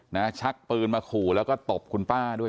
ชักปืนมาขู่แล้วก็ตบคุณป้าด้วย